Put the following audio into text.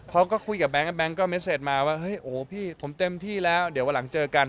เขาก็คุยกับแบงค์แก๊งก็เม็ดเสร็จมาว่าเฮ้ยโอ้พี่ผมเต็มที่แล้วเดี๋ยววันหลังเจอกัน